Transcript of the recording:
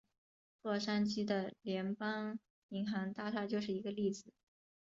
洛杉矶的联邦银行大厦就是一个例子。